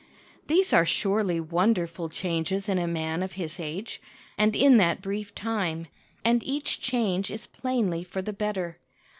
These are surely wonderful changes in a man of his age, and in that brief time, and each change is plainly for the better.